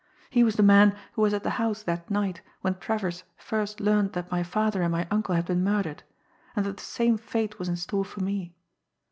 He was the man who was at the house that night when Travers first learned that my father and my uncle had been murdered, and that the same fate was in store for me.